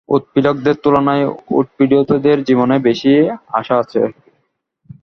উৎপীড়কদের তুলনায় উৎপীড়িতদের জীবনে বেশী আশা আছে।